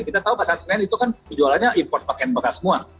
kita tahu pasar senen itu kan penjualannya import pakaian bekas semua